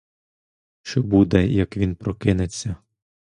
Що буде, як він прокинеться?